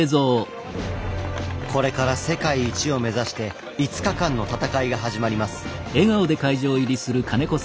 これから世界一を目指して５日間の戦いが始まります。